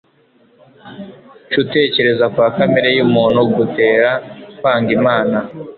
Cutekereza kwa kamere yumuntu gutera kwanglmana